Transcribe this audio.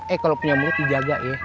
eh kalo punya mulut dijaga ya